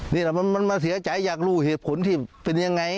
นี่แหละมันมาเสียใจอยากรู้เหตุผลที่เป็นยังไง